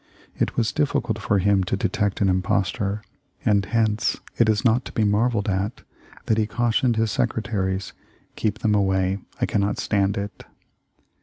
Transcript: It was difficult for him to detect an imposter, and hence it is not to be marvelled at that he cau tioned his secretaries : "Keep them away — I can not stand it."